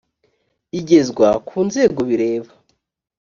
igezwa ku nzego bireba